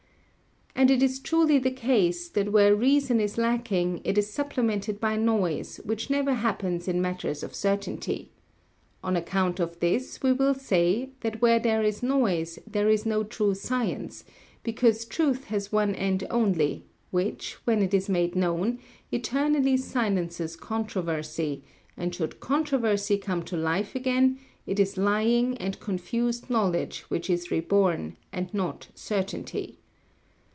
And it is truly the case that where reason is lacking it is supplemented by noise, which never happens in matters of certainty. On account of this we will say that where there is noise there is no true science, because truth has one end only, which, when it is made known, eternally silences controversy, and should controversy come to life again, it is lying and confused knowledge which is reborn, and not certainty.